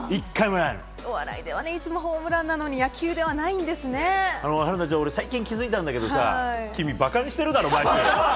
お笑いではいつもホームランなのに春奈ちゃん最近気づいたんだけど君、ばかにしてるだろ。